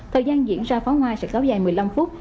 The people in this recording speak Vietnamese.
thời gian diễn ra pháo hoa sẽ kéo dài một mươi năm phút